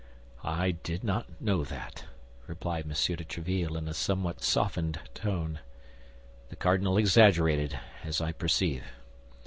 "I did not know that," replied M. de Tréville, in a somewhat softened tone. "The cardinal exaggerated, as I perceive."